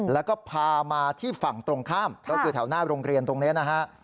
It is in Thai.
แล้วก็พามาที่ฝั่งตรงข้ามก็คือแถวหน้าโรงเรียนตรงนี้นะฮะ